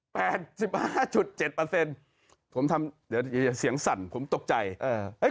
ผมทำเดี๋ยวเสียงสั่นผมตกใจ